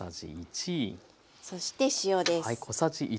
そして塩です。